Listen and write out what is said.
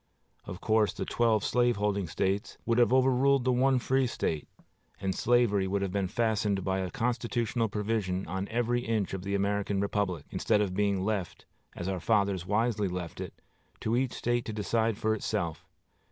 Of course, the twelve slaveholding States would have overruled the one free State; and slavery would have been fastened by a constitutional provision on every inch of the American republic, instead of being left, as our fathers wisely left it, to each State to decide for itself.